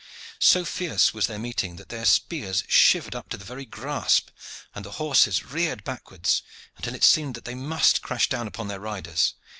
So fierce was their meeting that their spears shivered up to the very grasp, and the horses reared backwards until it seemed that they must crash down upon their riders.